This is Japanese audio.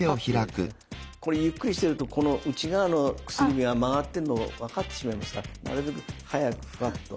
これゆっくりしてるとこの内側の薬指が曲がってんの分かってしまいますからなるべく早くフワッと。